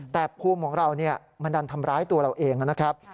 แต่ภูมิของเรามันดันทำร้ายตัวเราเองนะครับ